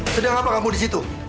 sedang apa kamu disitu